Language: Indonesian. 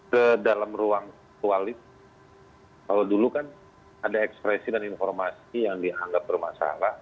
kedalam ruang kualit kalau dulu kan ada ekspresi dan informasi yang dianggap bermasalah